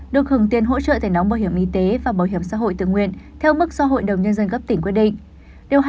được hừng tiền hỗ trợ thể đóng bảo hiểm y tế và bảo hiểm xã hội tự nguyện theo mức do hội đồng nhân dân gấp tỉnh quyết định